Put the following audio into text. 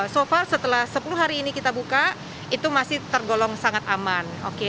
so far setelah sepuluh hari ini kita buka itu masih tergolong sangat aman